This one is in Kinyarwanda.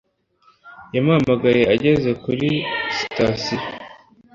Yamuhamagaye ageze kuri sitasiyo